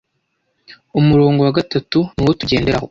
Umurongo wa gatatu niwo tugenderaho: